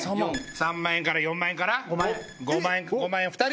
３万円から４万円から５万円５万円２人！